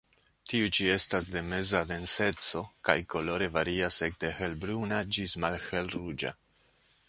Tiu ĉi estas de meza denseco, kaj kolore varias ekde hel-bruna ĝis malhel-ruĝa.